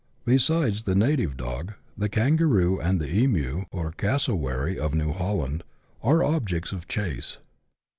Besides the native dog, the kangaroo and the emu, or casso wary of New Holland, are objects of chase.